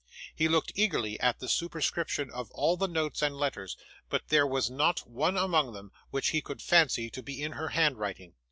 He looked eagerly at the superscription of all the notes and letters, but there was not one among them which he could fancy to be in her handwriting.